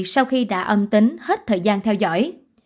sau khi đã âm tính hết thời gian theo dõi